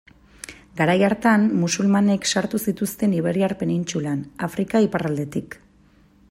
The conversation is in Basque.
Garai hartan, musulmanek sartu zituzten Iberiar penintsulan, Afrika iparraldetik.